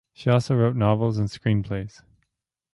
She also wrote novels and screenplays.